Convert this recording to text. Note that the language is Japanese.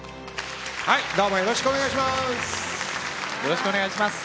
はいどうもよろしくお願いします。